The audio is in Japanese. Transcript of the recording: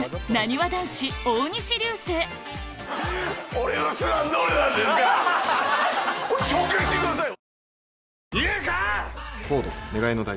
俺の素はどれなんですか⁉紹介してくださいよ！